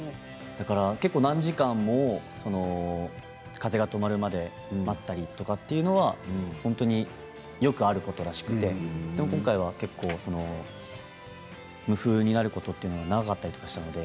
結構、何時間も風が止まるまで待ったりとかというのも本当によくあることらしくて今回は結構無風になることというのが長かったと言っています。